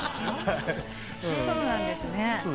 そうなんですね。